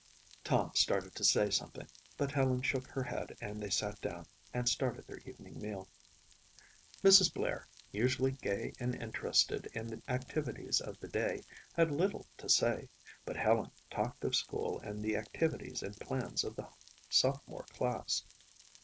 Tom started to say something, but Helen shook her head and they sat down and started their evening meal. Mrs. Blair, usually gay and interested in the activities of the day, had little to say, but Helen talked of school and the activities and plans of the sophomore class.